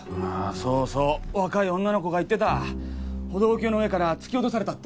そうそう若い女の子が言ってた歩道橋の上から突き落とされたって。